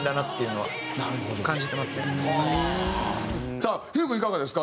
さあひゅーい君いかがですか？